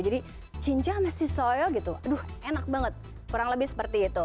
jadi cinca masih soyo gitu aduh enak banget kurang lebih seperti itu